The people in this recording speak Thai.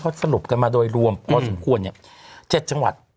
เขาสรุปกันมาโดยรวมพอสมควร๗จังหวัด